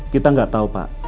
kita nggak tahu pak